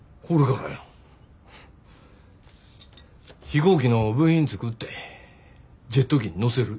飛行機の部品作ってジェット機に載せる。